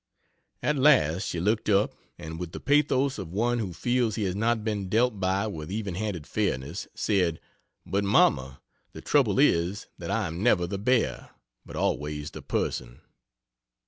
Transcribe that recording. At last she looked up, and with the pathos of one who feels he has not been dealt by with even handed fairness, said "But Mamma, the trouble is, that I am never the bear, but always the person."